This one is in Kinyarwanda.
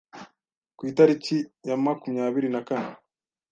ku itariki ya makumyabiri na kane